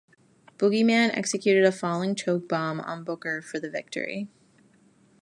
Boogeyman executed a Falling Chokebomb on Booker for the victory.